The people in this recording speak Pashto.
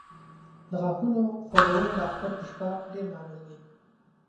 د غاښونو خوږول د اختر په شپه ډېر معمول دی.